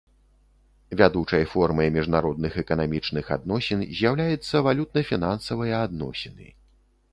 Вядучай формай міжнародных эканамічных адносін з'яўляецца валютна-фінансавыя адносіны.